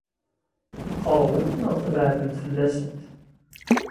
Tqeṛbemt neɣ tbeɛdemt fell-asent?